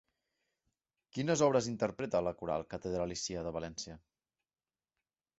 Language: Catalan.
Quines obres interpreta la Coral Catedralícia de València?